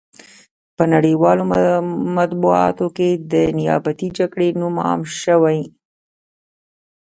په نړیوالو مطبوعاتو کې د نیابتي جګړې نوم عام شوی.